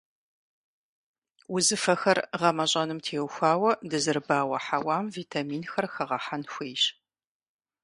Узыфэхэр гъэмэщӀэным теухуауэ дызэрыбауэ хьэуам витаминхэр хэгъэхьэн хуейщ.